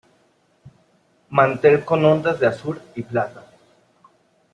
Mantel con ondas de azur y plata.